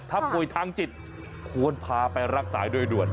ถ้าป่วยทางจิตควรพาไปรักษาโดยด่วน